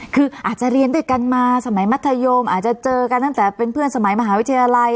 คืออาจจะเรียนด้วยกันมาสมัยมัธยมอาจจะเจอกันตั้งแต่เป็นเพื่อนสมัยมหาวิทยาลัย